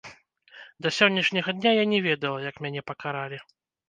Да сённяшняга дня я не ведала, як мяне пакаралі!